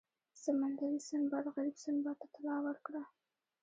سمندري سنباد غریب سنباد ته طلا ورکړه.